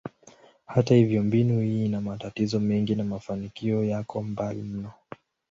Hata hivyo, mbinu hii ina matatizo mengi na mafanikio yako mbali mno.